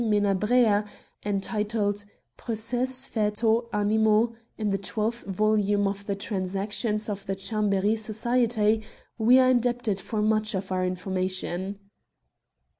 Menabr^a, entitled " Procfes fait aux Animaux," in the twelfth volume of the Transactions of the Chambiry Society^ we are indebted for much of our information.